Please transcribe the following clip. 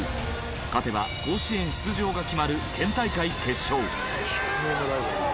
勝てば甲子園出場が決まる県大会決勝。